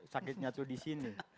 sakitnya tuh di sini